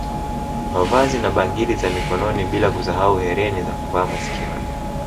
Mavazi na bangili za Mikononi bila kusahau hereni za kuvaa masikioni